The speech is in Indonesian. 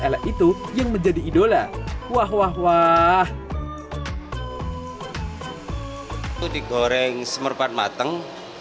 elek itu yang menjadi idola wah wah wah itu digoreng sempurna matang